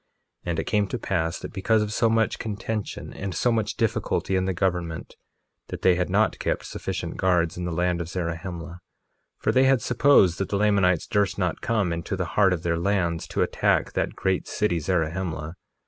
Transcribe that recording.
1:18 And it came to pass that because of so much contention and so much difficulty in the government, that they had not kept sufficient guards in the land of Zarahemla; for they had supposed that the Lamanites durst not come into the heart of their lands to attack that great city Zarahemla.